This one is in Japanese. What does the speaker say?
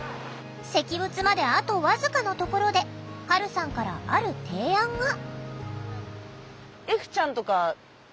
石仏まであと僅かのところではるさんからある提案が。